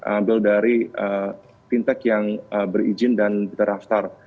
ambil dari fintech yang berizin dan terdaftar